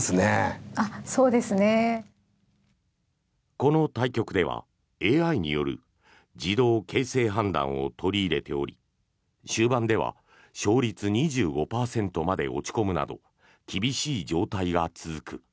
この対局ではＡＩによる自動形勢判断を取り入れており終盤では勝率２５％まで落ち込むなど厳しい状態が続く。